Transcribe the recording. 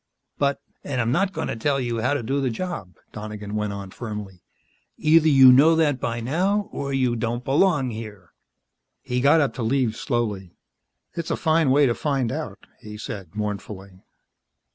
"But " "And I'm not going to tell you how to do the job," Donegan went on firmly. "Either you know that by now, or you don't belong here." He got up to leave, slowly. "It's a fine way to find out," he said mournfully.